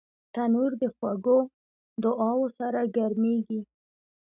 تنور د خوږو دعاوو سره ګرمېږي